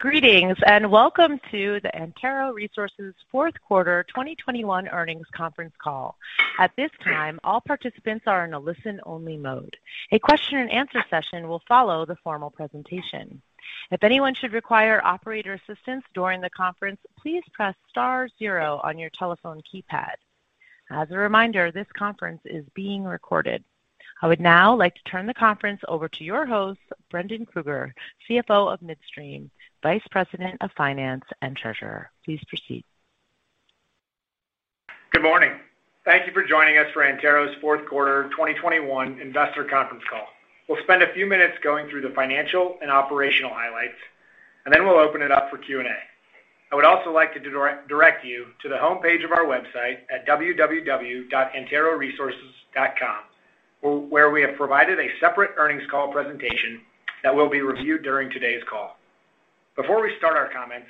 Greetings, and welcome to the Antero Resources Fourth Quarter 2021 Earnings Conference Call. At this time, all participants are in a listen-only mode. A question and answer session will follow the formal presentation. If anyone should require operator assistance during the conference, please press star zero on your telephone keypad. As a reminder, this conference is being recorded. I would now like to turn the conference over to your host, Brendan Krueger, CFO of Midstream, Vice President of Finance and Treasurer. Please proceed. Good morning. Thank you for joining us for Antero's Fourth Quarter 2021 Investor Conference Call. We'll spend a few minutes going through the financial and operational highlights, and then we'll open it up for Q&A. I would also like to direct you to the homepage of our website at www.anteroresources.com, where we have provided a separate earnings call presentation that will be reviewed during today's call. Before we start our comments,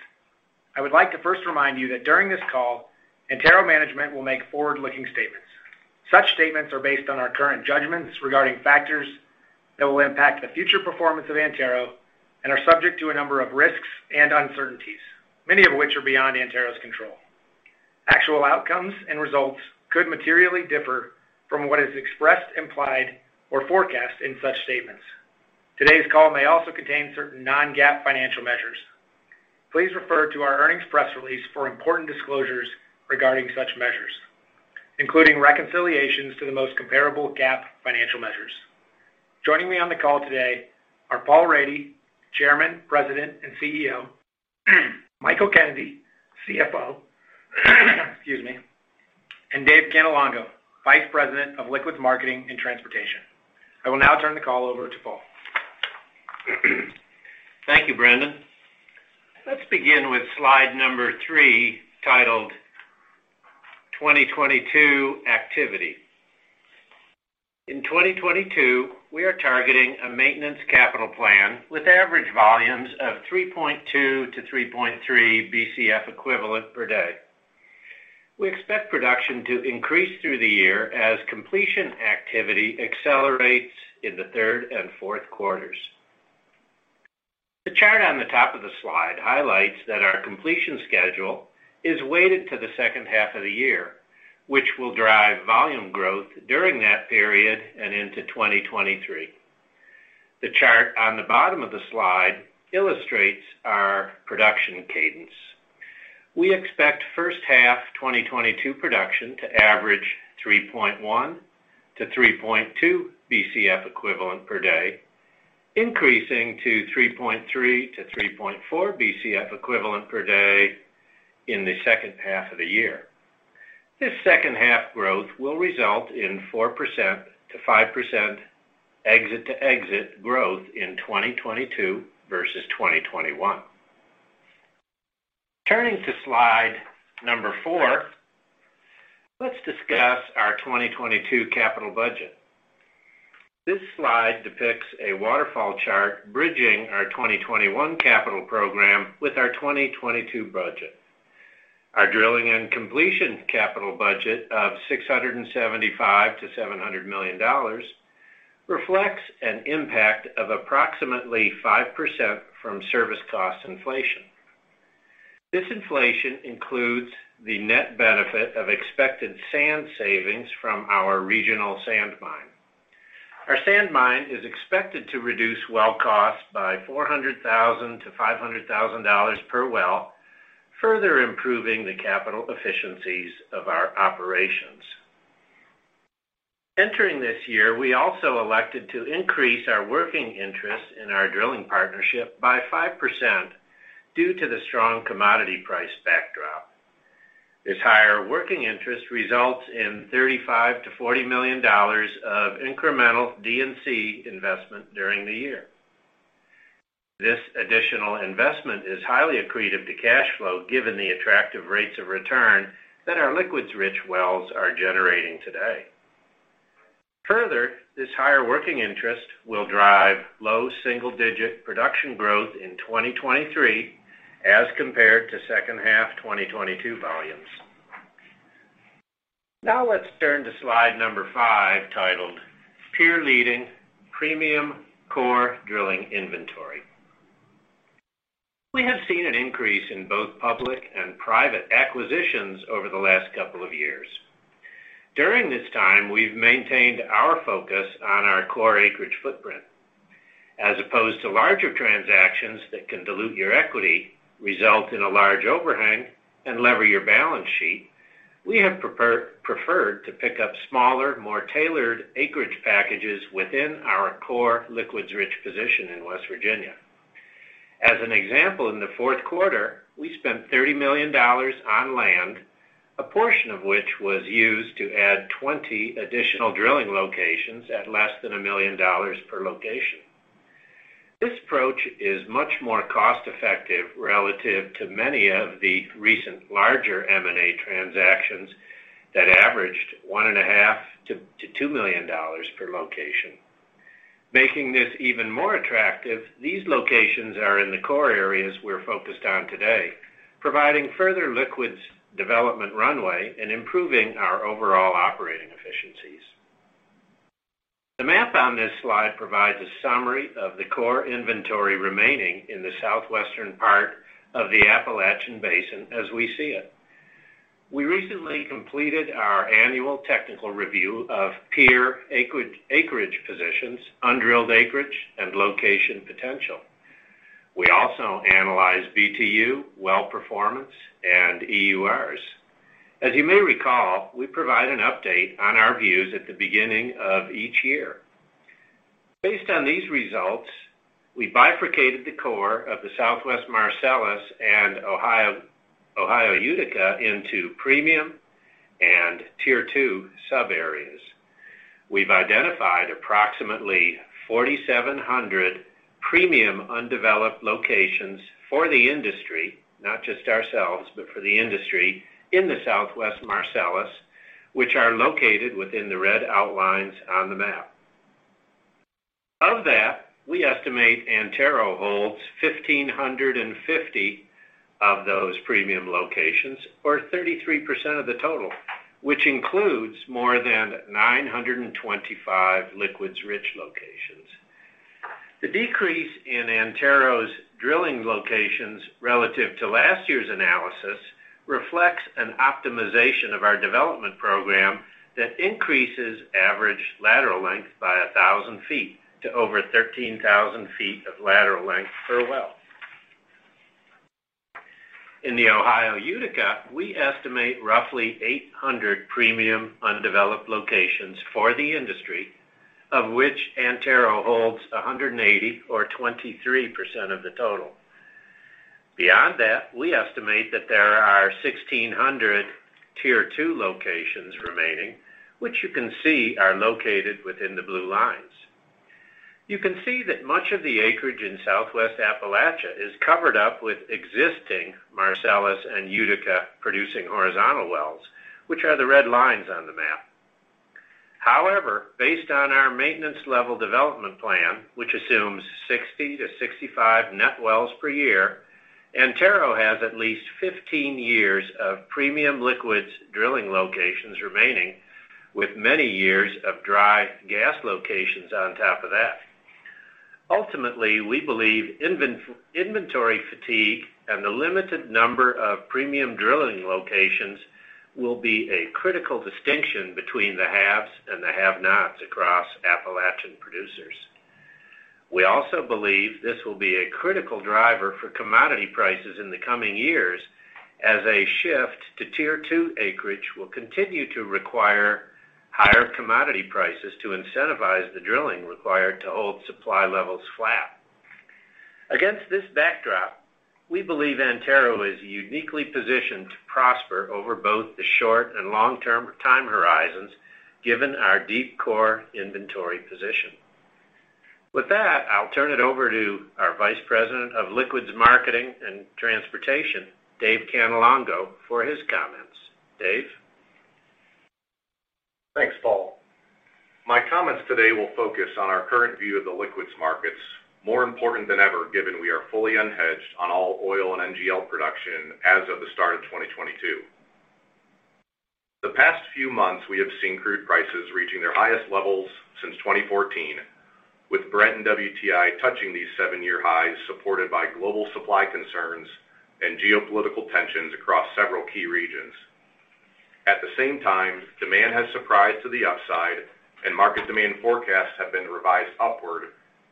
I would like to first remind you that during this call, Antero management will make forward-looking statements. Such statements are based on our current judgments regarding factors that will impact the future performance of Antero and are subject to a number of risks and uncertainties, many of which are beyond Antero's control. Actual outcomes and results could materially differ from what is expressed, implied, or forecast in such statements. Today's call may also contain certain non-GAAP financial measures. Please refer to our earnings press release for important disclosures regarding such measures, including reconciliations to the most comparable GAAP financial measures. Joining me on the call today are Paul Rady, Chairman, President, and CEO, Michael Kennedy, CFO, excuse me, and Dave Cannelongo, Vice President of Liquids Marketing and Transportation. I will now turn the call over to Paul. Thank you, Brendan. Let's begin with slide three, titled 2022 Activity. In 2022, we are targeting a maintenance capital plan with average volumes of 3.2-3.3 Bcf equivalent per day. We expect production to increase through the year as completion activity accelerates in the third and fourth quarters. The chart on the top of the slide highlights that our completion schedule is weighted to the second half of the year, which will drive volume growth during that period and into 2023. The chart on the bottom of the slide illustrates our production cadence. We expect first half 2022 production to average 3.1-3.2 Bcf equivalent per day, increasing to 3.3-3.4 Bcf equivalent per day in the second half of the year. This second half growth will result in 4%-5% exit to exit growth in 2022 versus 2021. Turning to slide four, let's discuss our 2022 capital budget. This slide depicts a waterfall chart bridging our 2021 capital program with our 2022 budget. Our drilling and completion capital budget of $675 million-$700 million reflects an impact of approximately 5% from service cost inflation. This inflation includes the net benefit of expected sand savings from our regional sand mine. Our sand mine is expected to reduce well costs by $400,000-$500,000 per well, further improving the capital efficiencies of our operations. Entering this year, we also elected to increase our working interest in our drilling partnership by 5% due to the strong commodity price backdrop. This higher working interest results in $35 million-$40 million of incremental D&C investment during the year. This additional investment is highly accretive to cash flow, given the attractive rates of return that our liquids-rich wells are generating today. Further, this higher working interest will drive low single-digit production growth in 2023 as compared to second half 2022 volumes. Now let's turn to slide number five titled Peer-Leading Premium Core Drilling Inventory. We have seen an increase in both public and private acquisitions over the last couple of years. During this time, we've maintained our focus on our core acreage footprint. As opposed to larger transactions that can dilute your equity, result in a large overhang, and lever your balance sheet, we have preferred to pick up smaller, more tailored acreage packages within our core liquids-rich position in West Virginia. As an example, in the fourth quarter, we spent $30 million on land, a portion of which was used to add 20 additional drilling locations at less than $1 million per location. This approach is much more cost-effective relative to many of the recent larger M&A transactions that averaged $1.5 million-$2 million per location. Making this even more attractive, these locations are in the core areas we're focused on today, providing further liquids development runway and improving our overall operating efficiencies. The map on this slide provides a summary of the core inventory remaining in the southwestern part of the Appalachian Basin as we see it. We recently completed our annual technical review of peer acreage positions, undrilled acreage, and location potential. We also analyzed BTU, well performance, and EURs. As you may recall, we provide an update on our views at the beginning of each year. Based on these results, we bifurcated the core of the Southwest Marcellus and Ohio Utica into premium and tier two sub areas. We've identified approximately 4,700 premium undeveloped locations for the industry, not just ourselves, but for the industry in the Southwest Marcellus, which are located within the red outlines on the map. Of that, we estimate Antero holds 1,550 of those premium locations, or 33% of the total, which includes more than 925 liquids-rich locations. The decrease in Antero's drilling locations relative to last year's analysis reflects an optimization of our development program that increases average lateral length by 1,000 feet to over 13,000 feet of lateral length per well. In the Ohio Utica, we estimate roughly 800 premium undeveloped locations for the industry, of which Antero holds 180 or 23% of the total. Beyond that, we estimate that there are 1,600 tier two locations remaining, which you can see are located within the blue lines. You can see that much of the acreage in southwest Appalachia is covered up with existing Marcellus and Utica producing horizontal wells, which are the red lines on the map. However, based on our maintenance level development plan, which assumes 60-65 net wells per year, Antero has at least 15 years of premium liquids drilling locations remaining, with many years of dry gas locations on top of that. Ultimately, we believe inventory fatigue and the limited number of premium drilling locations will be a critical distinction between the haves and the have-nots across Appalachian producers. We also believe this will be a critical driver for commodity prices in the coming years as a shift to tier two acreage will continue to require higher commodity prices to incentivize the drilling required to hold supply levels flat. Against this backdrop, we believe Antero is uniquely positioned to prosper over both the short-and long-term time horizons given our deep core inventory position. With that, I'll turn it over to our Vice President of Liquids Marketing and Transportation, Dave Cannelongo, for his comments. Dave? Thanks, Paul. My comments today will focus on our current view of the liquids markets, more important than ever given we are fully unhedged on all oil and NGL production as of the start of 2022. The past few months, we have seen crude prices reaching their highest levels since 2014, with Brent and WTI touching these seven-year highs supported by global supply concerns and geopolitical tensions across several key regions. At the same time, demand has surprised to the upside and market demand forecasts have been revised upward,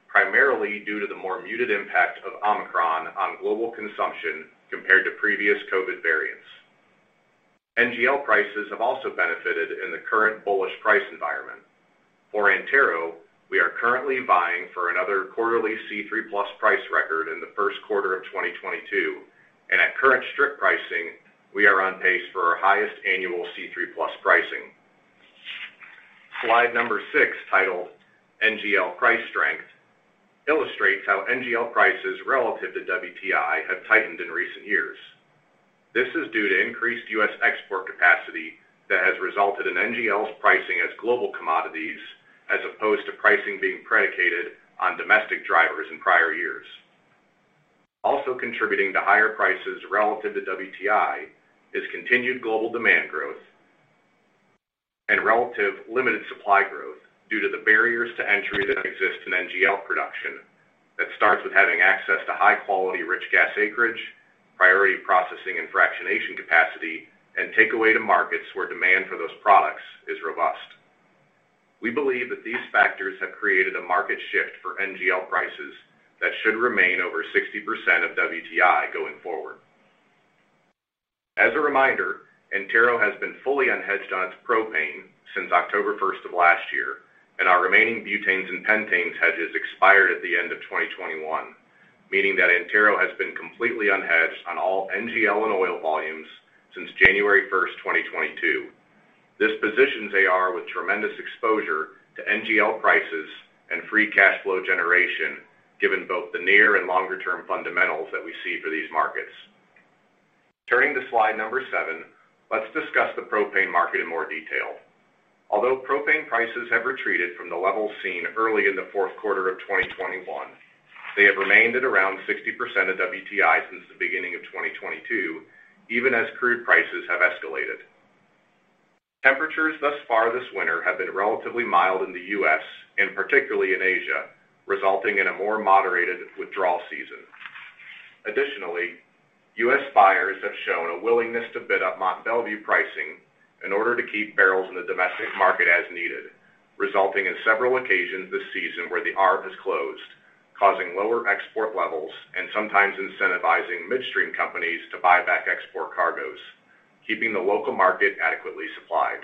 primarily due to the more muted impact of Omicron on global consumption compared to previous COVID variants. NGL prices have also benefited in the current bullish price environment. For Antero, we are currently vying for another quarterly C3+ price record in the first quarter of 2022, and at current strip pricing, we are on pace for our highest annual C3+ pricing. Slide number six, titled NGL Price Strength, illustrates how NGL prices relative to WTI have tightened in recent years. This is due to increased U.S. export capacity that has resulted in NGL pricing as global commodities as opposed to pricing being predicated on domestic drivers in prior-years. Also contributing to higher prices relative to WTI is continued global demand growth and relative limited supply growth due to the barriers to entry that exist in NGL production that starts with having access to high-quality rich gas acreage, priority processing and fractionation capacity, and takeaway to markets where demand for those products is robust. We believe that these factors have created a market shift for NGL prices that should remain over 60% of WTI going forward. As a reminder, Antero has been fully unhedged on its propane since October 1 of last year, and our remaining butanes and pentanes hedges expired at the end of 2021, meaning that Antero has been completely unhedged on all NGL and oil volumes since January 1, 2022. This positions AR with tremendous exposure to NGL prices and free cash flow generation, given both the near-and longer-term fundamentals that we see for these markets. Turning to slide seven, let's discuss the propane market in more detail. Although propane prices have retreated from the levels seen early in the fourth quarter of 2021. They have remained at around 60% of WTI since the beginning of 2022, even as crude prices have escalated. Temperatures thus far this winter have been relatively mild in the U.S. and particularly in Asia, resulting in a more moderated withdrawal season. Additionally, U.S. buyers have shown a willingness to bid up Mont Belvieu pricing in order to keep barrels in the domestic market as needed, resulting in several occasions this season where the arb has closed, causing lower export levels and sometimes incentivizing midstream companies to buy back export cargoes, keeping the local market adequately supplied.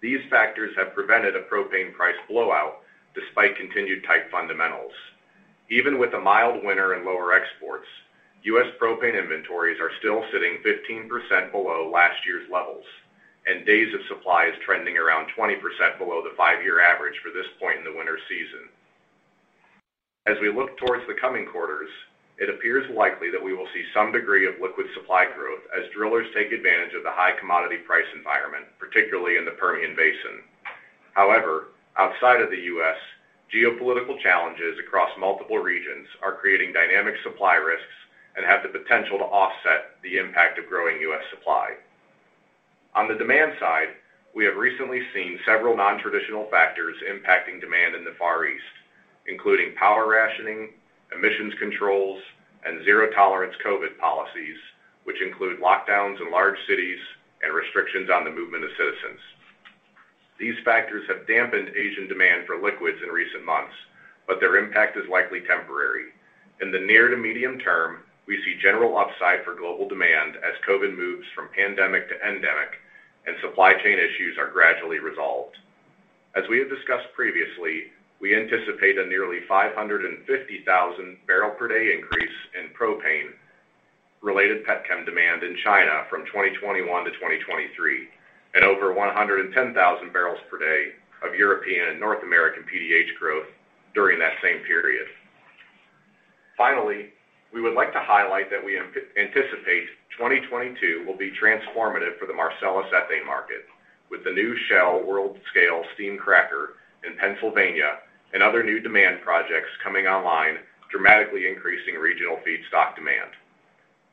These factors have prevented a propane price blowout despite continued tight fundamentals. Even with a mild winter and lower exports, U.S. propane inventories are still sitting 15% below last year's levels, and days of supply is trending around 20% below the five-year average for this point in the winter season. As we look towards the coming quarters, it appears likely that we will see some degree of liquid supply growth as drillers take advantage of the high commodity price environment, particularly in the Permian Basin. However, outside of the U.S., geopolitical challenges across multiple regions are creating dynamic supply risks and have the potential to offset the impact of growing U.S. supply. On the demand side, we have recently seen several nontraditional factors impacting demand in the Far East, including power rationing, emissions controls, and zero-tolerance COVID policies, which include lockdowns in large cities and restrictions on the movement of citizens. These factors have dampened Asian demand for liquids in recent months, but their impact is likely temporary. In the near-to medium-term, we see general upside for global demand as COVID moves from pandemic to endemic and supply chain issues are gradually resolved. As we have discussed previously, we anticipate a nearly 550,000 barrels per day increase in propane-related pet chem demand in China from 2021 to 2023 and over 110,000 barrels per day of European and North American PDH growth during that same period. Finally, we would like to highlight that we anticipate 2022 will be transformative for the Marcellus ethane market with the new Shell world scale steam cracker in Pennsylvania and other new demand projects coming online, dramatically increasing regional feedstock demand.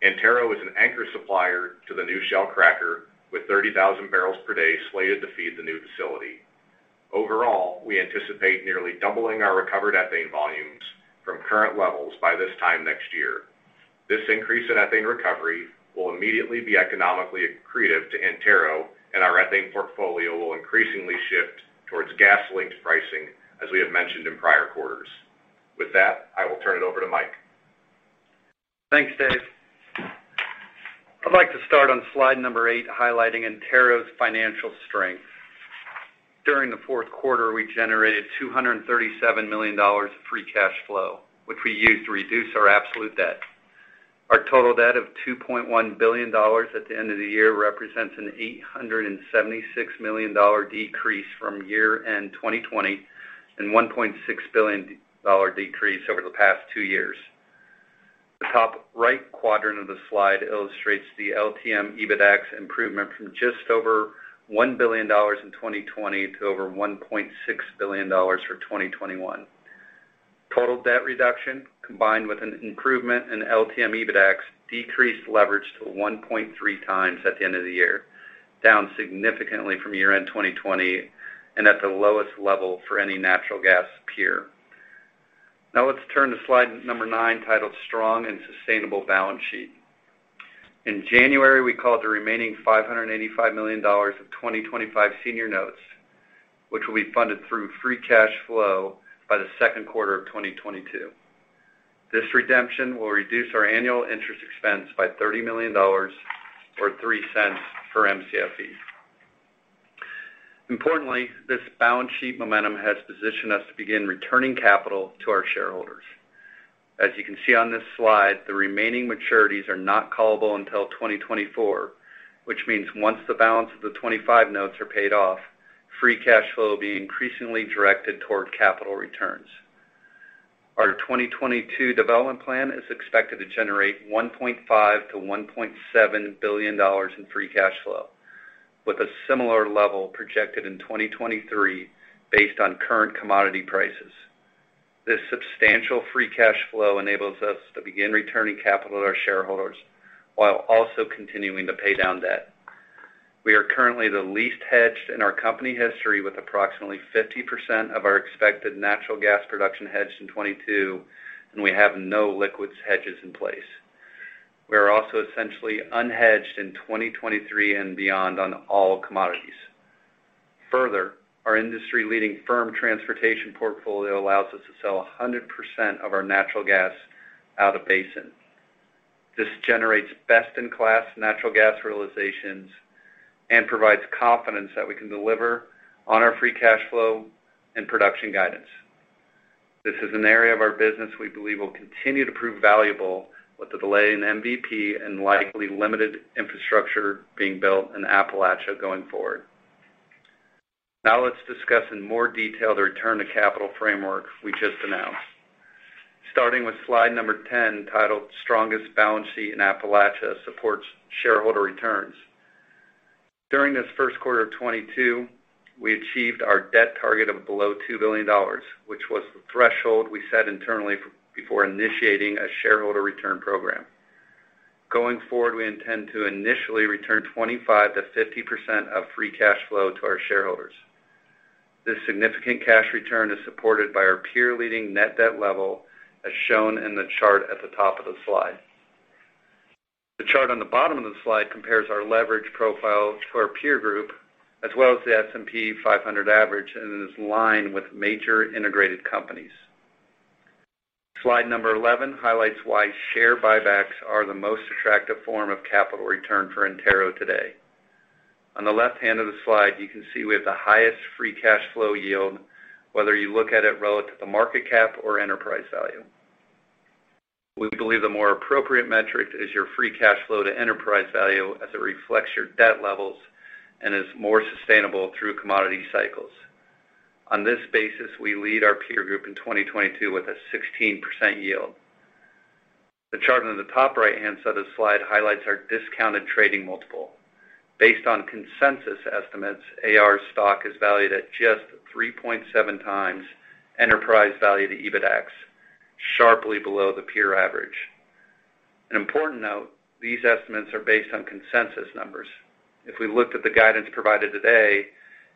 Antero is an anchor supplier to the new Shell cracker with 30,000 barrels per day slated to feed the new facility. Overall, we anticipate nearly doubling our recovered ethane volumes from current levels by this time next year. This increase in ethane recovery will immediately be economically accretive to Antero, and our ethane portfolio will increasingly shift towards gasoline to pricing, as we have mentioned in prior-quarters. With that, I will turn it over to Mike. Thanks, Dave. I'd like to start on slide eight, highlighting Antero's financial strength. During the fourth quarter, we generated $237 million of free cash flow, which we used to reduce our absolute debt. Our total debt of $2.1 billion at the end of the year represents an $876 million decrease from year-end 2020 and $1.6 billion decrease over the past two years. The top right quadrant of the slide illustrates the LTM EBITDAX improvement from just over $1 billion in 2020 to over $1.6 billion for 2021. Total debt reduction, combined with an improvement in LTM EBITDAX, decreased leverage to 1.3x at the end of the year, down significantly from year-end 2020 and at the lowest level for any natural gas peer. Now let's turn to slide nine, titled Strong and Sustainable Balance Sheet. In January, we called the remaining $585 million of 2025 senior notes, which will be funded through free cash flow by the second quarter of 2022. This redemption will reduce our annual interest expense by $30 million or $0.03 per Mcfe. Importantly, this balance sheet momentum has positioned us to begin returning capital to our shareholders. As you can see on this slide, the remaining maturities are not callable until 2024, which means once the balance of the 2025 notes are paid off, free cash flow will be increasingly directed toward capital returns. Our 2022 development plan is expected to generate $1.5 billion-$1.7 billion in free cash flow, with a similar level projected in 2023 based on current commodity prices. This substantial free cash flow enables us to begin returning capital to our shareholders while also continuing to pay down debt. We are currently the least hedged in our company history, with approximately 50% of our expected natural gas production hedged in 2022, and we have no liquids hedges in place. We are also essentially unhedged in 2023 and beyond on all commodities. Further, our industry-leading firm transportation portfolio allows us to sell 100% of our natural gas out of basin. This generates best-in-class natural gas realizations and provides confidence that we can deliver on our free cash flow and production guidance. This is an area of our business we believe will continue to prove valuable with the delay in MVP and likely limited infrastructure being built in Appalachia going forward. Now let's discuss in more detail the return to capital framework we just announced. Starting with slide number 10, titled Strongest Balance Sheet in Appalachia Supports Shareholder Returns. During this first quarter of 2022, we achieved our debt target of below $2 billion, which was the threshold we set internally before initiating a shareholder return program. Going forward, we intend to initially return 25%-50% of free cash flow to our shareholders. This significant cash return is supported by our peer-leading net debt level, as shown in the chart at the top of the slide. The chart on the bottom of the slide compares our leverage profile to our peer group, as well as the S&P 500 average, and is in line with major integrated companies. Slide number 11 highlights why share buybacks are the most attractive form of capital return for Antero today. On the left hand of the slide, you can see we have the highest free cash flow yield, whether you look at it relative to market cap or enterprise value. We believe the more appropriate metric is your free cash flow to enterprise value as it reflects your debt levels and is more sustainable through commodity cycles. On this basis, we lead our peer group in 2022 with a 16% yield. The chart on the top right-hand side of the slide highlights our discounted trading multiple. Based on consensus estimates, AR stock is valued at just 3.7x enterprise value to EBITDAX, sharply below the peer average. An important note. These estimates are based on consensus numbers. If we looked at the guidance provided today,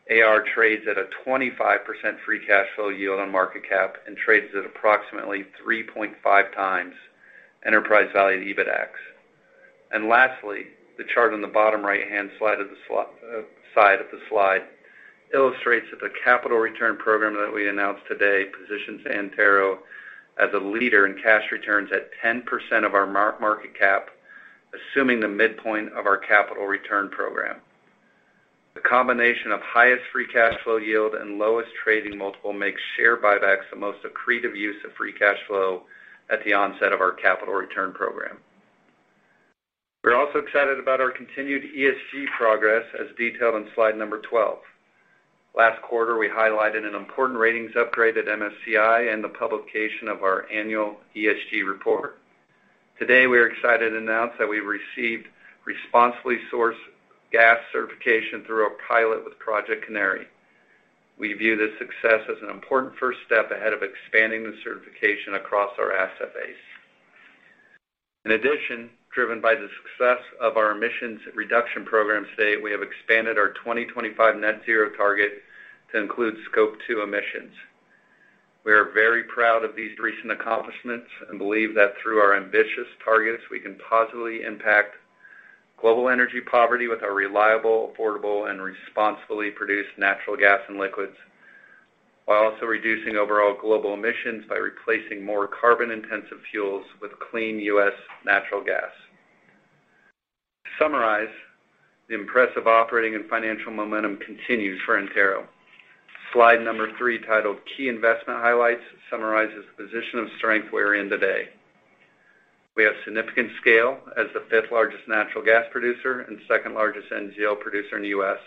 AR trades at a 25% free cash flow yield on market cap and trades at approximately 3.5x enterprise value to EBITDAX. Lastly, the chart on the bottom right-hand side of the slide illustrates that the capital return program that we announced today positions Antero as a leader in cash returns at 10% of our market cap, assuming the midpoint of our capital return program. The combination of highest free cash flow yield and lowest trading multiple makes share buybacks the most accretive use of free cash flow at the onset of our capital return program. We're also excited about our continued ESG progress as detailed on slide 12. Last quarter, we highlighted an important ratings upgrade at MSCI and the publication of our annual ESG report. Today, we are excited to announce that we received responsibly sourced gas certification through a pilot with Project Canary. We view this success as an important first step ahead of expanding the certification across our asset base. In addition, driven by the success of our emissions reduction program today, we have expanded our 2025 net zero target to include Scope 2 emissions. We are very proud of these recent accomplishments and believe that through our ambitious targets, we can positively impact global energy poverty with our reliable, affordable, and responsibly produced natural gas and liquids, while also reducing overall global emissions by replacing more carbon-intensive fuels with clean U.S. natural gas. To summarize, the impressive operating and financial momentum continues for Antero. Slide three, titled Key Investment Highlights, summarizes the position of strength we're in today. We have significant scale as the fifth-largest natural gas producer and second-largest NGL producer in the U.S.,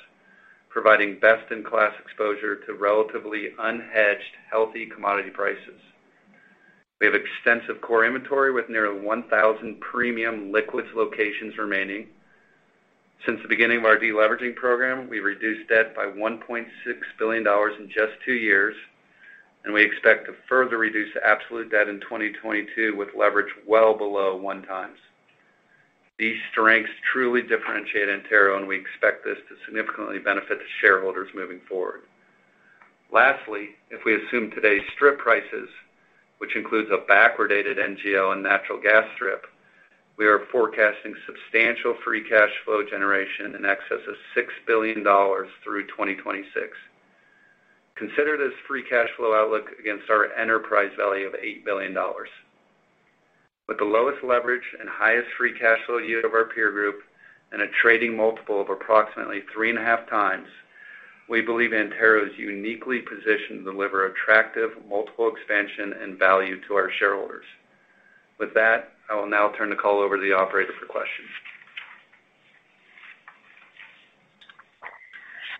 providing best-in-class exposure to relatively unhedged healthy commodity prices. We have extensive core inventory with nearly 1,000 premium liquids locations remaining. Since the beginning of our deleveraging program, we've reduced debt by $1.6 billion in just two years, and we expect to further reduce the absolute debt in 2022 with leverage well below 1x. These strengths truly differentiate Antero, and we expect this to significantly benefit the shareholders moving forward. Lastly, if we assume today's strip prices, which includes a backwarddated NGL and natural gas strip, we are forecasting substantial free cash flow generation in excess of $6 billion through 2026. Consider this free cash flow outlook against our enterprise value of $8 billion. With the lowest leverage and highest free cash flow yield of our peer group and a trading multiple of approximately 3.5x, we believe Antero is uniquely positioned to deliver attractive multiple expansion and value to our shareholders. With that, I will now turn the call over to the operator for questions.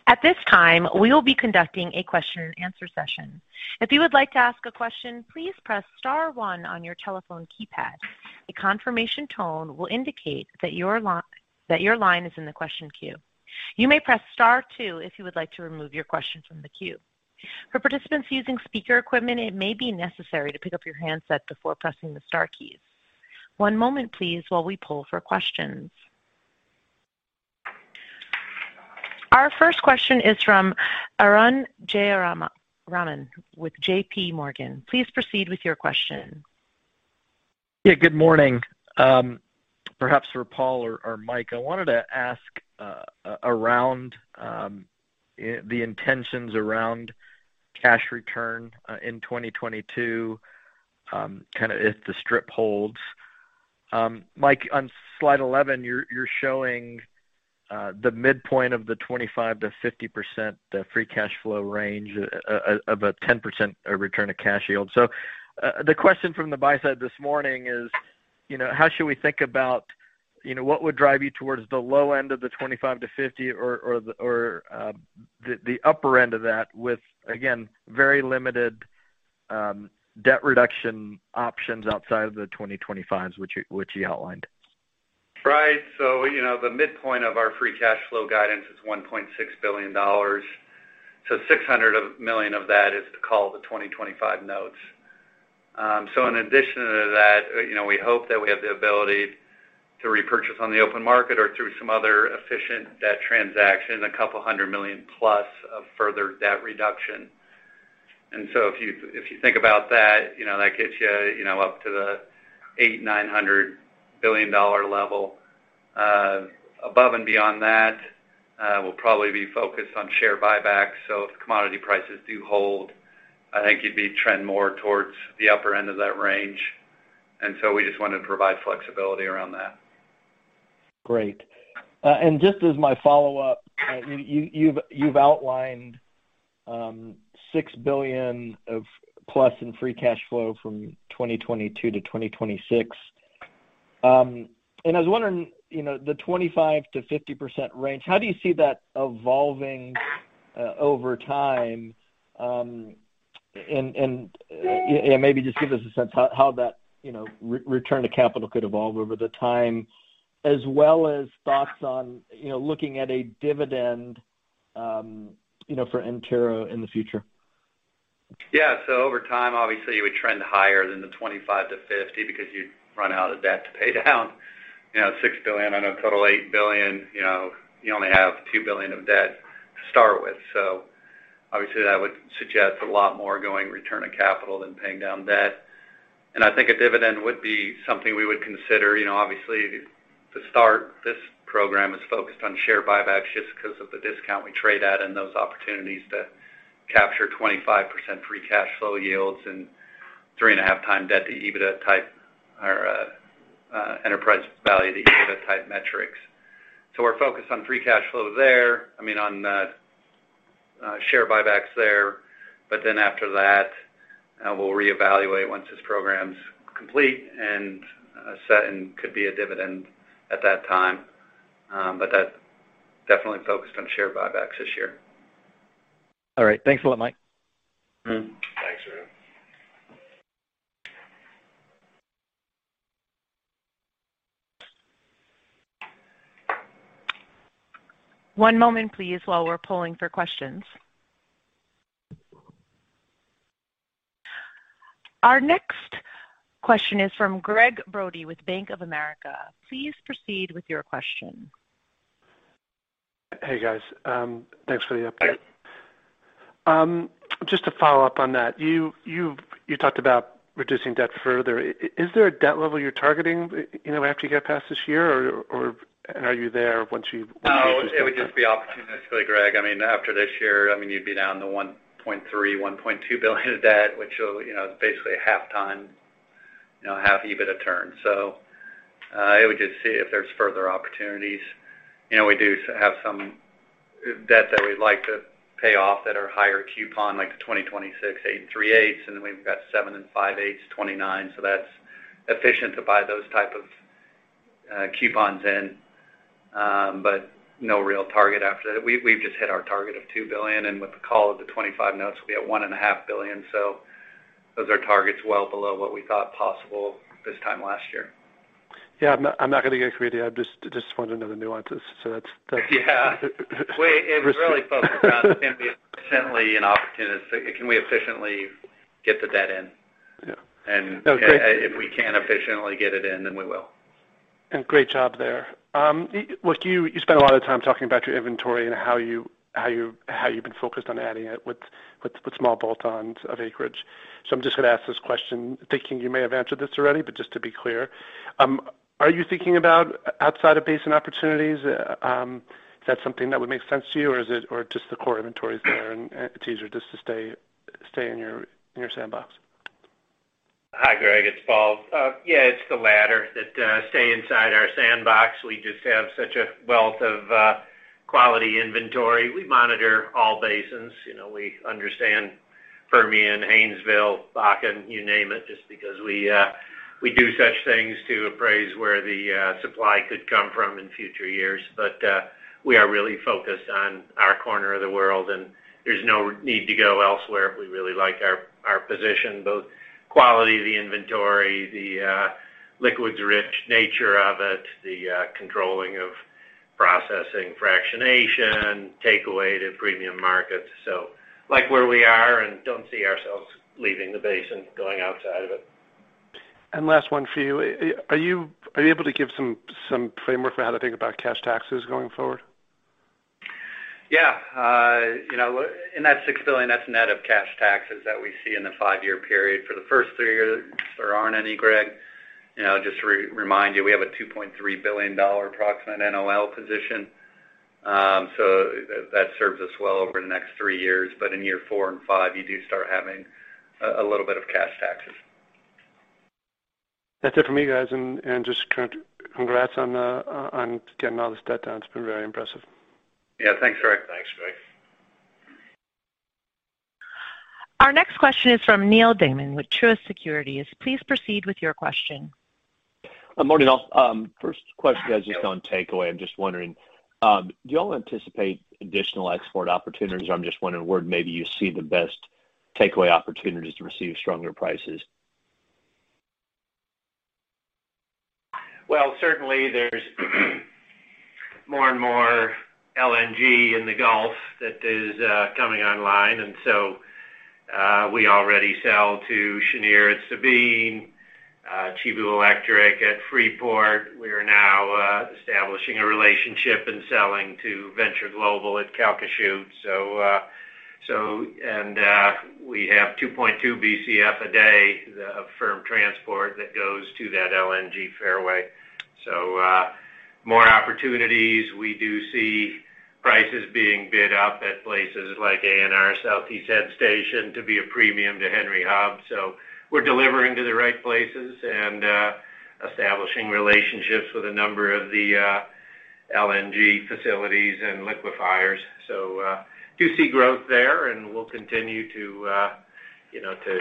At this time, we will be conducting a question and answer session. If you would like to ask a question, please press star one on your telephone keypad. A confirmation tone will indicate that your line is in the question queue. You may press star two if you would like to remove your question from the queue. For participants using speaker equipment, it may be necessary to pick up your handset before pressing the star keys. One moment, please, while we pull for questions. Our first question is from Arun Jayaram with JPMorgan. Please proceed with your question. Yeah, good morning. Perhaps for Paul or Mike, I wanted to ask around the intentions around cash return in 2022, kind of if the strip holds. Mike, on slide 11, you're showing the midpoint of the 25%-50%, the free cash flow range of a 10% return of cash yield. The question from the buy side this morning is, you know, how should we think about, you know, what would drive you towards the low end of the 25%-50% or the upper end of that with, again, very limited debt reduction options outside of the 2025s, which you outlined. Right. You know, the midpoint of our free cash flow guidance is $1.6 billion. $600 million of that is to call the 2025 notes. In addition to that, you know, we hope that we have the ability to repurchase on the open market or through some other efficient debt transaction, a couple hundred million-plus of further debt reduction. If you think about that, you know, that gets you know, up to the $800-$900 million level. Above and beyond that, we'll probably be focused on share buybacks. If commodity prices do hold, I think you'd be trend more towards the upper end of that range. We just wanted to provide flexibility around that. Great. Just as my follow-up, you've outlined $6 billion+ in free cash flow from 2022-2026. I was wondering, you know, the 25%-50% range, how do you see that evolving over time? And maybe just give us a sense how that, you know, return to capital could evolve over time, as well as thoughts on, you know, looking at a dividend, you know, for Antero in the future. Yeah. Over time, obviously, you would trend higher than the 25-50 because you'd run out of debt to pay down. You know, $6 billion on a total $8 billion, you know, you only have $2 billion of debt to start with. Obviously, that would suggest a lot more going return of capital than paying down debt. I think a dividend would be something we would consider. You know, obviously, to start, this program is focused on share buybacks just 'cause of the discount we trade at and those opportunities to capture 25% free cash flow yields and 3.5x debt to EBITDA type or enterprise value to EBITDA type metrics. We're focused on free cash flow there. I mean, on share buybacks there. After that, we'll reevaluate once this program's complete and set and could be a dividend at that time. That's definitely focused on share buybacks this year. All right. Thanks a lot, Mike. Thanks, Arun. One moment, please, while we're polling for questions. Our next question is from Gregg Brody with Bank of America. Please proceed with your question. Hey, guys. Thanks for the update. Just to follow-up on that, you talked about reducing debt further. Is there a debt level you're targeting, you know, after you get past this year or, are you there once you've.? No, it would just be opportunistically, Gregg. I mean, after this year, I mean, you'd be down to $1.3, $1.2 billion of debt, which is basically half a turn of EBIT. It would just be to see if there's further opportunities. You know, we do have some debt that we'd like to pay off that are higher coupon, like the 2026, 8 3/8s, and then we've got 7 5/8s, 2029. That's efficient to buy those type of coupons in, but no real target after that. We've just hit our target of $2 billion, and with the call of the 2025 notes, we have $1.5 billion. Those are targets well below what we thought possible this time last year. Yeah. I'm not gonna get greedy. I just wanted to know the nuances. That's. Yeah. It really focused around can we efficiently and opportunistically get the debt in? Yeah. And. No, great. If we can efficiently get it in, then we will. Great job there. You spent a lot of time talking about your inventory and how you've been focused on adding it with small bolt-ons of acreage. I'm just gonna ask this question thinking you may have answered this already, but just to be clear. Are you thinking about outside of basin opportunities? Is that something that would make sense to you, or just the core inventories there and it's easier just to stay in your sandbox? Hi, Gregg. It's Paul. Yeah, it's the latter that stay inside our sandbox. We just have such a wealth of quality inventory. We monitor all basins. You know, we understand Permian, Haynesville, Bakken, you name it, just because we do such things to appraise where the supply could come from in future years. But we are really focused on our corner of the world, and there's no need to go elsewhere. We really like our position, both quality of the inventory, the liquids-rich nature of it, the controlling of processing fractionation, takeaway to premium markets. Like where we are and don't see ourselves leaving the basin, going outside of it. Last one for you. Are you able to give some framework for how to think about cash taxes going forward? Yeah. You know, in that $6 billion, that's net of cash taxes that we see in the five-year period. For the first three years, there aren't any, Gregg. You know, just remind you, we have a $2.3 billion approximate NOL position. So that serves us well over the next three years. In year four and five, you do start having a little bit of cash taxes. That's it for me, guys. Just congrats on getting all this debt down. It's been very impressive. Yeah. Thanks, Gregg. Our next question is from Neal Dingmann with Truist Securities. Please proceed with your question. Good morning all. First question guys, just on takeaway. I'm just wondering, do you all anticipate additional export opportunities, or I'm just wondering where maybe you see the best takeaway opportunities to receive stronger prices? Well, certainly there's more and more LNG in the Gulf that is coming online. We already sell to Cheniere at Sabine, JERA at Freeport. We are now establishing a relationship and selling to Venture Global at Calcasieu. We have 2.2 Bcf/d of firm transport that goes to that LNG fairway. More opportunities. We do see prices being bid up at places like ANR Southeast Headstation to be a premium to Henry Hub. We're delivering to the right places and establishing relationships with a number of the LNG facilities and liquefiers. Do you see growth there? We'll continue to you know to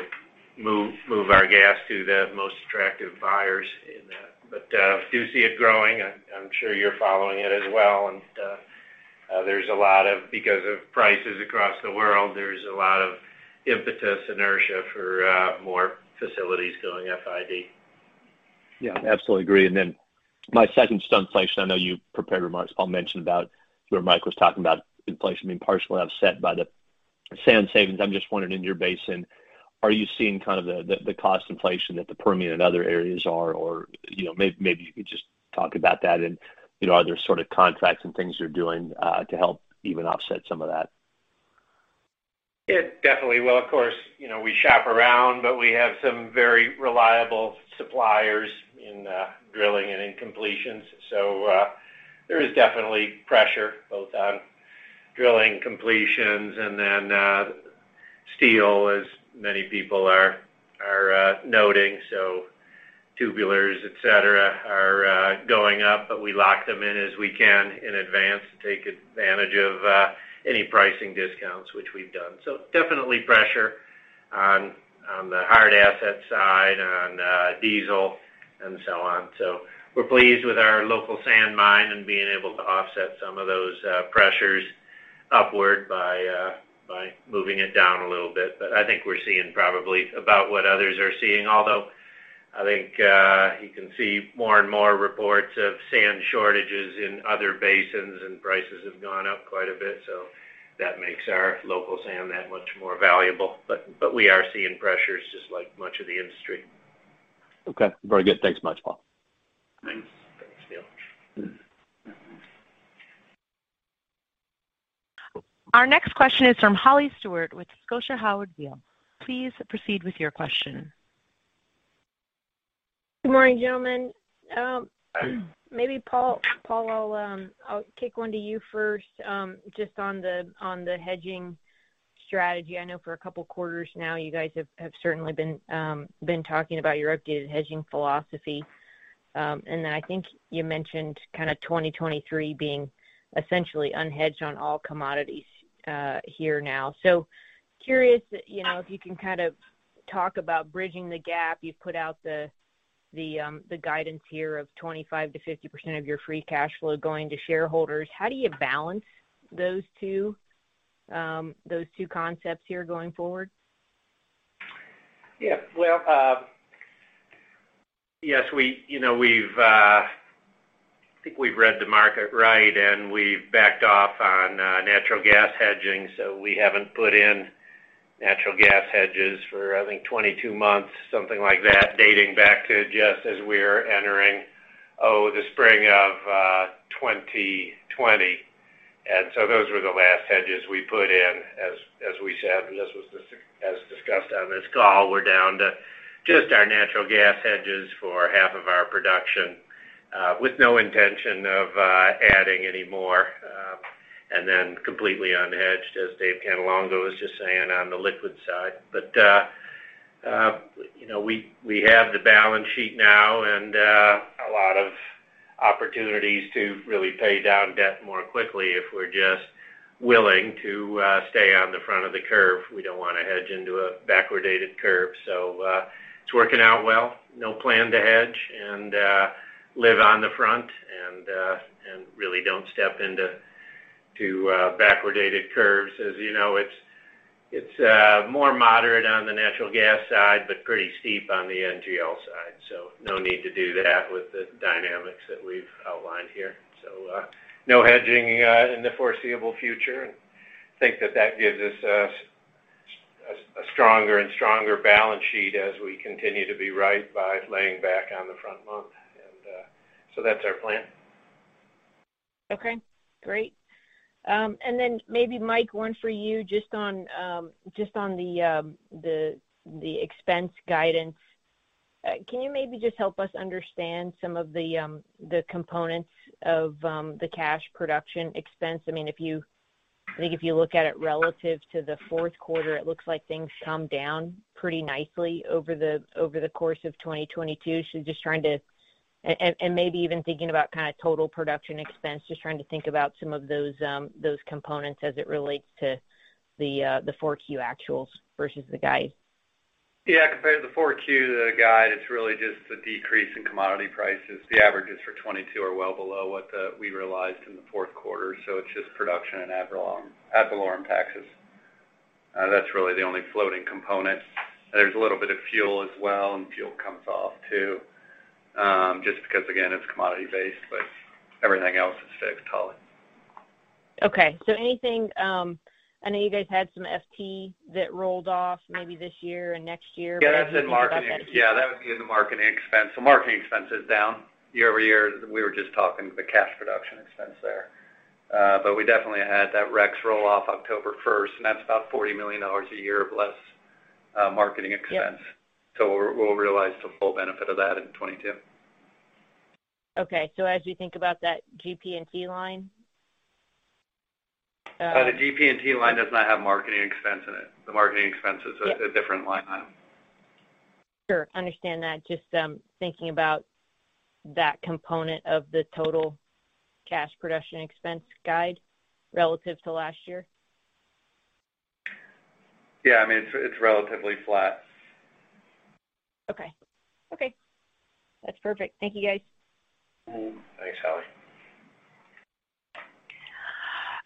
move our gas to the most attractive buyers in that. Do you see it growing? I'm sure you're following it as well. Because of prices across the world, there's a lot of impetus, inertia for more facilities going FID. Yeah, absolutely agree. Then my second is on inflation. I know your prepared remarks, Paul, mentioned about where Mike was talking about inflation being partially offset by the sand savings. I'm just wondering in your basin, are you seeing kind of the cost inflation that the Permian and other areas are, or, you know, maybe you could just talk about that and, you know, are there sort of contracts and things you're doing to help even offset some of that? Yeah, definitely. Well, of course, you know, we shop around, but we have some very reliable suppliers in drilling and in completions. There is definitely pressure both on drilling completions and then steel as many people are noting. Tubulars, etc, are going up, but we lock them in as we can in advance to take advantage of any pricing discounts which we've done. Definitely pressure on the hard asset side, on diesel and so on. We're pleased with our local sand mine and being able to offset some of those pressures upward by moving it down a little bit. I think we're seeing probably about what others are seeing, although I think, you can see more and more reports of sand shortages in other basins and prices have gone up quite a bit. That makes our local sand that much more valuable. We are seeing pressures just like much of the industry. Okay. Very good. Thanks much, Paul. Thanks. Thanks, Neal. Our next question is from Holly Stewart with Scotia Howard Weil. Please proceed with your question. Good morning, gentlemen. Maybe Paul, I'll kick one to you first, just on the hedging strategy. I know for a couple of quarters now, you guys have certainly been talking about your updated hedging philosophy. Then I think you mentioned kind of 2023 being essentially unhedged on all commodities here now. Curious, you know, if you can kind of talk about bridging the gap. You've put out the guidance here of 25%-50% of your free cash flow going to shareholders. How do you balance those two concepts here going forward? Yeah. Well, yes, you know, I think we've read the market right, and we've backed off on natural gas hedging. We haven't put in natural gas hedges for I think 22 months, something like that, dating back to just as we're entering, oh, the spring of 2020. Those were the last hedges we put in. As we said, and this was as discussed on this call, we're down to just our natural gas hedges for half of our production, with no intention of adding any more, and then completely unhedged, as Dave Cannelongo was just saying on the liquid side. You know, we have the balance sheet now and a lot of opportunities to really pay down debt more quickly if we're just willing to stay on the front of the curve. We don't want to hedge into a backwarddated curve. It's working out well. No plan to hedge and live on the front and really don't step into backwarddated curves. As you know, it's more moderate on the natural gas side, but pretty steep on the NGL side. No need to do that with the dynamics that we've outlined here. No hedging in the foreseeable future. Think that that gives us a stronger and stronger balance sheet as we continue to be right by laying back on the front month. That's our plan. Okay, great. Maybe Mike, one for you just on the expense guidance. Can you maybe just help us understand some of the components of the cash production expense? I mean, if you look at it relative to the fourth quarter, it looks like things come down pretty nicely over the course of 2022. Just trying to and maybe even thinking about kind of total production expense, just trying to think about some of those components as it relates to the Q4 actuals versus the guide. Yeah, compared to the Q4, the guide is really just a decrease in commodity prices. The averages for 2022 are well below what we realized in the fourth quarter. It's just production and ad valorem taxes. That's really the only floating component. There's a little bit of fuel as well, and fuel comes off too, just because, again, it's commodity-based, but everything else is fixed, Holly. Okay. Anything, I know you guys had some FT that rolled off maybe this year and next year? Yeah, that's in marketing. Yeah, that would be in the marketing expense. Marketing expense is down year-over-year. We were just talking about the cash production expense there. But we definitely had that REX roll off October 1st, and that's about $40 million a year of less marketing expense. Yeah. We'll realize the full benefit of that in 2022. Okay. As you think about that GP&T line. The GP&T line does not have marketing expense in it. The marketing expense is a different line item. Sure. Understand that. Just, thinking about that component of the total cash production expense guide relative to last year. Yeah, I mean, it's relatively flat. Okay. That's perfect. Thank you, guys. Thanks, Holly.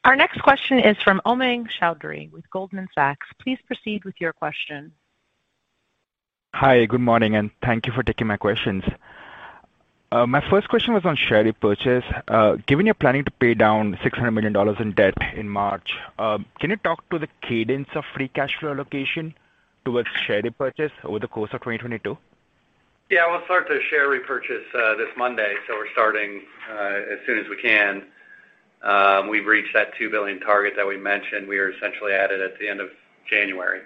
Our next question is from Umang Choudhary with Goldman Sachs. Please proceed with your question. Hi, good morning, and thank you for taking my questions. My first question was on share repurchase. Given you're planning to pay down $600 million in debt in March, can you talk to the cadence of free cash flow allocation towards share repurchase over the course of 2022? Yeah. We'll start the share repurchase this Monday, so we're starting as soon as we can. We've reached that $2 billion target that we mentioned. We are essentially at it at the end of January.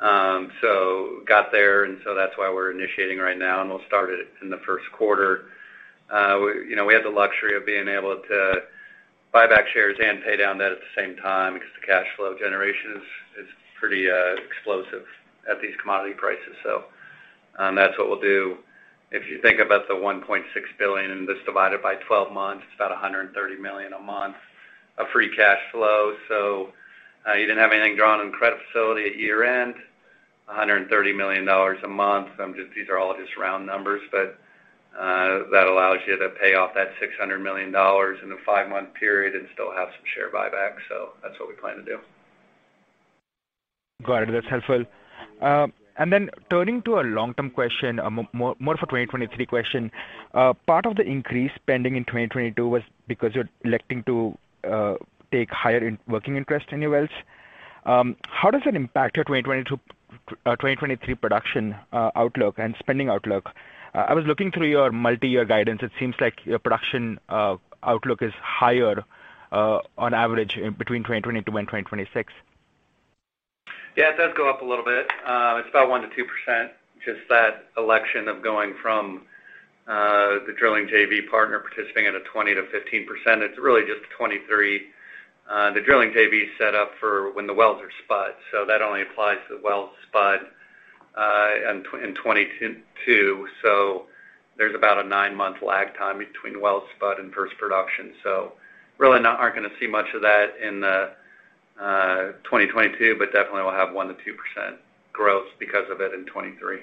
Got there, and that's why we're initiating right now, and we'll start it in the first quarter. We, you know, had the luxury of being able to buy back shares and pay down debt at the same time because the cash flow generation is pretty explosive at these commodity prices. That's what we'll do. If you think about the $1.6 billion, and just divide it by 12 months, it's about $130 million a month of free cash flow. You didn't have anything drawn on credit facility at year-end. $130 million a month. These are all just round numbers, but that allows you to pay off that $600 million in a five-month period and still have some share buyback. That's what we plan to do. Got it. That's helpful. Turning to a long-term question, more for a 2023 question. Part of the increased spending in 2022 was because you're electing to take higher working interest in your wells. How does it impact your 2023 production outlook and spending outlook? I was looking through your multi-year guidance. It seems like your production outlook is higher on average in between 2022-2026. Yeah, it does go up a little bit. It's about 1%-2%, just that election of going from the drilling JV partner participating at a 20%-15%. It's really just 2023. The drilling JV is set up for when the wells are spud, so that only applies to well spud in 2022. There's about a nine-month lag time between well spud and first production. Really, aren't gonna see much of that in 2022, but definitely we'll have 1%-2% growth because of it in 2023.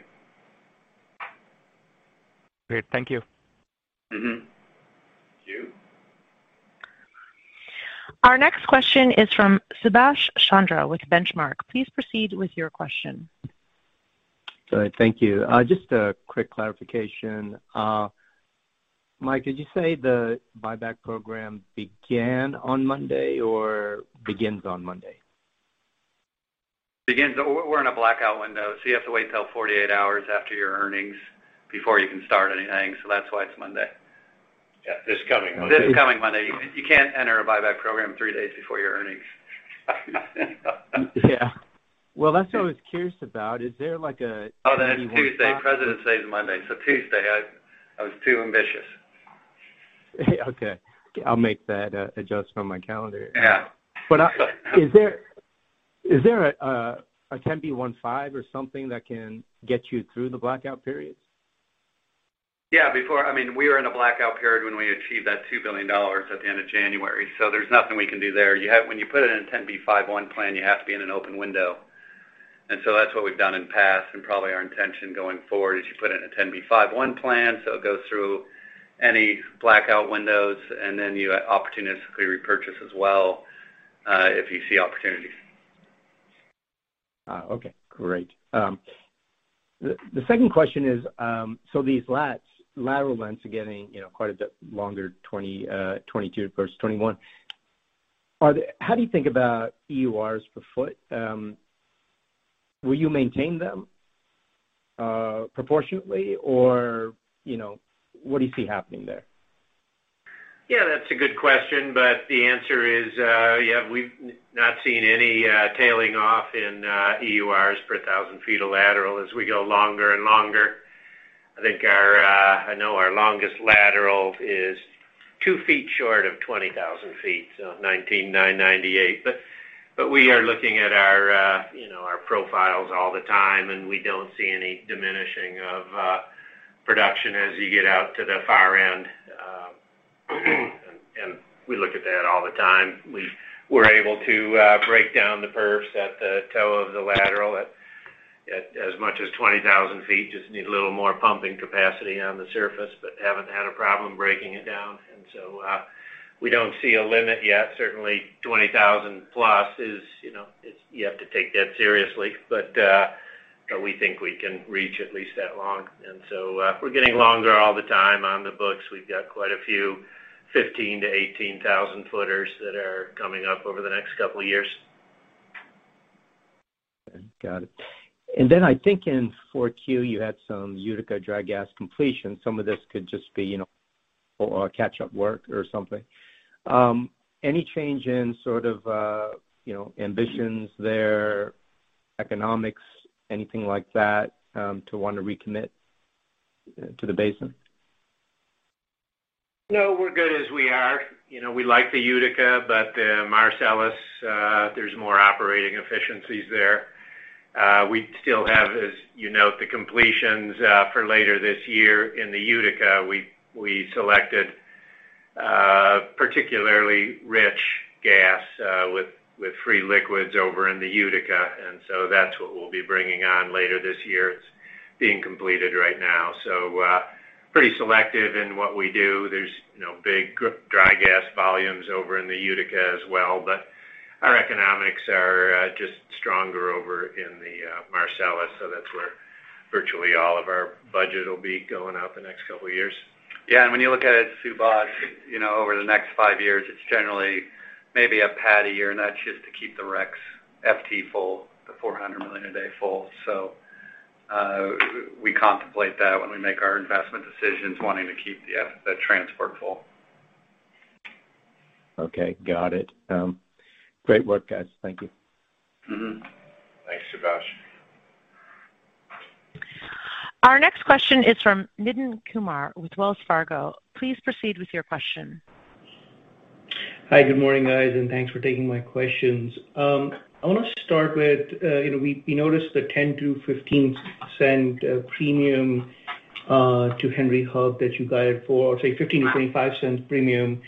Great. Thank you. Thank you. Our next question is from Subash Chandra with Benchmark. Please proceed with your question. All right. Thank you. Just a quick clarification. Michael, did you say the buyback program began on Monday or begins on Monday? We're in a blackout window, so you have to wait till 48 hours after your earnings before you can start anything, so that's why it's Monday. Yeah. This coming Monday. This coming Monday. You can't enter a buyback program three days before your earnings. Yeah. Well, that's what I was curious about. Is there like a. Oh, that's Tuesday. Presidents' Day is Monday, so Tuesday. I was too ambitious. Okay. I'll make that adjustment on my calendar. Yeah. Is there a 10b5-1 or something that can get you through the blackout periods? Yeah. I mean, we were in a blackout period when we achieved that $2 billion at the end of January, so there's nothing we can do there. You have when you put in a 10b5-1 plan, you have to be in an open window. That's what we've done in past, and probably our intention going forward is you put in a 10b5-1 plan, so it goes through any blackout windows, and then you opportunistically repurchase as well if you see opportunities. Okay. Great. The second question is, these lateral lengths are getting, you know, quite a bit longer 22 versus 21. How do you think about EURs per foot? Will you maintain them proportionately or, you know, what do you see happening there? Yeah, that's a good question, but the answer is, yeah, we've not seen any tailing off in EURs per thousand feet of lateral as we go longer and longer. I think our, I know our longest lateral is 2 feet short of 20,000 feet, so 19,998. We are looking at our, you know, our profiles all the time, and we don't see any diminishing of production as you get out to the far end. And we look at that all the time. We were able to break down the perfs at the toe of the lateral at as much as 20,000 feet. Just need a little more pumping capacity on the surface, but haven't had a problem breaking it down. We don't see a limit yet. Certainly 20,000+ is, you know, it's. You have to take that seriously. But we think we can reach at least that long. We're getting longer all the time on the books. We've got quite a few 15,000-18,000 footers that are coming up over the next couple of years. Okay. Got it. Then I think in 4Q, you had some Utica dry gas completion. Some of this could just be, you know, or catch-up work or something. Any change in sort of, you know, ambitions there, economics, anything like that, to want to recommit to the basin? No, we're good as we are. You know, we like the Utica, but Marcellus, there's more operating efficiencies there. We still have, as you note, the completions for later this year in the Utica. We selected particularly rich gas with free liquids over in the Utica. That's what we'll be bringing on later this year. It's being completed right now. Pretty selective in what we do. You know, big dry gas volumes over in the Utica as well, but our economics are just stronger over in the Marcellus. That's where virtually all of our budget will be going out the next couple of years. Yeah. When you look at it, Subash, you know, over the next five years, it's generally maybe a pad a year, and that's just to keep the REX FT full, the 400 million a day full. We contemplate that when we make our investment decisions, wanting to keep the transport full. Okay. Got it. Great work, guys. Thank you. Thanks, Subash. Our next question is from Nitin Kumar with Wells Fargo. Please proceed with your question. Hi. Good morning, guys, and thanks for taking my questions. I want to start with, you know, we noticed the 0.10-0.15 premium to Henry Hub that you guided for, or say 0.15-0.25 premium.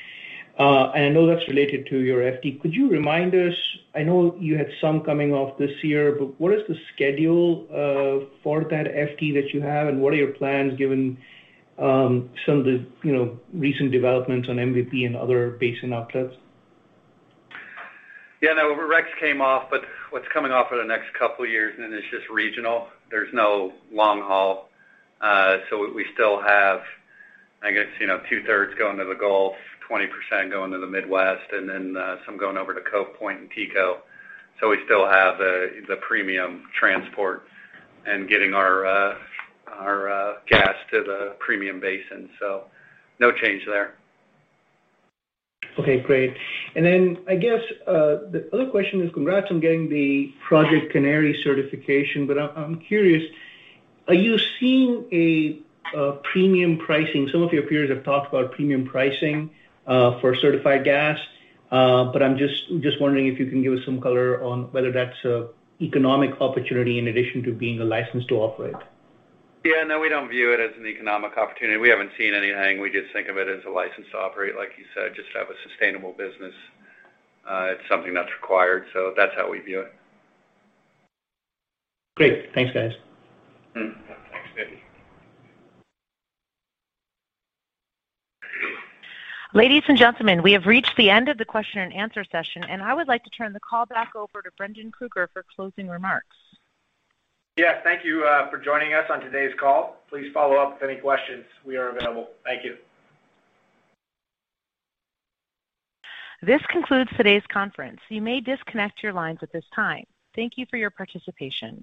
I know that's related to your FT. Could you remind us. I know you had some coming off this year, but what is the schedule for that FT that you have, and what are your plans given some of the, you know, recent developments on MVP and other basin outlets? Yeah. No. REX came off, but what's coming off for the next couple of years, and it's just regional. There's no long haul. So we still have, I guess, you know, two-thirds going to the Gulf, 20% going to the Midwest, and then some going over to Cove Point and TETCO. So we still have the premium transport and getting our gas to the premium basin. So no change there. Okay, great. I guess the other question is congrats on getting the Project Canary certification. I'm curious, are you seeing a premium pricing? Some of your peers have talked about premium pricing for certified gas. I'm just wondering if you can give us some color on whether that's an economic opportunity in addition to being a license to operate. Yeah. No, we don't view it as an economic opportunity. We haven't seen anything. We just think of it as a license to operate, like you said, just to have a sustainable business. It's something that's required. That's how we view it. Great. Thanks, guys. Thanks, Nitin. Ladies and gentlemen, we have reached the end of the question and answer session, and I would like to turn the call back over to Brendan Krueger for closing remarks. Yeah. Thank you, for joining us on today's call. Please follow up with any questions. We are available. Thank you. This concludes today's conference. You may disconnect your lines at this time. Thank you for your participation.